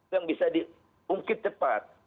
yang bisa dipungkit tepat